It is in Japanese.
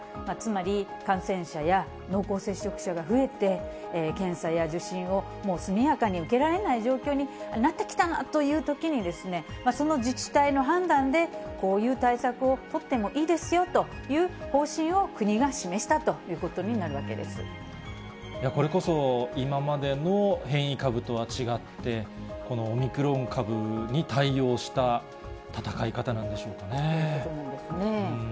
つまり、感染者や濃厚接触者が増えて、検査や受診を速やかに受けられない状況になってきたなというときにですね、その自治体の判断で、こういう対策を取ってもいいですよという方針を国が示したというこれこそ、今までの変異株とは違って、オミクロン株に対応した闘い方なんでしょうかね。